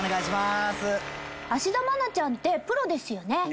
芦田愛菜ちゃんってプロですよね。